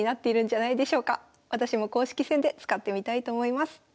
私も公式戦で使ってみたいと思います。